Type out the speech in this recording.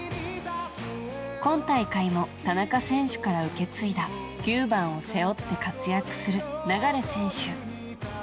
今大会も田中選手から受け継いだ９番を背負って活躍する流選手。